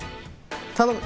頼む！